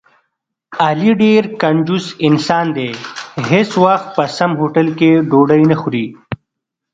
علي ډېر کنجوس انسان دی، هېڅ وخت په سم هوټل کې ډوډۍ نه خوري.